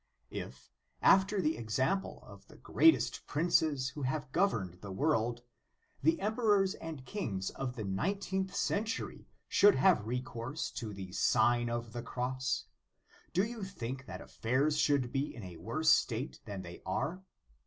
If, after the example of the greatest princes who have governed the world, the emperors and kings of the nineteenth century should have recourse to the Sign of the Cross, do you think that affairs should be in a worse state than they are